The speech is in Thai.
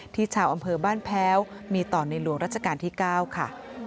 ชาวอำเภอบ้านแพ้วมีต่อในหลวงรัชกาลที่๙ค่ะ